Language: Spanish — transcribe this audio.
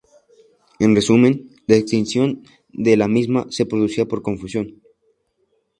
En resumen, la extinción de la misma se producía por confusión.